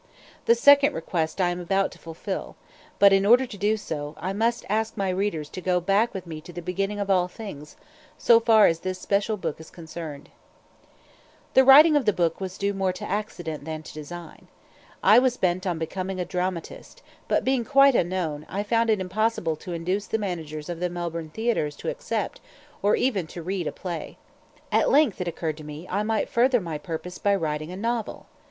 The second request I am about to fulfil; but, in order to do so, I must ask my readers to go back with me to the beginning of all things, so far as this special book is concerned. The writing of the book was due more to accident than to design. I was bent on becoming a dramatist, but, being quite unknown, I found it impossible to induce the managers of the Melbourne Theatres to accept, or even to read a play. At length it occurred to me I might further my purpose by writing a novel.